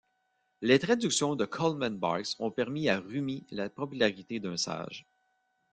Les traductions de Coleman Barks ont permis à Rûmi la popularité d'un sage.